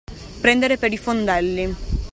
Prendere per i fondelli.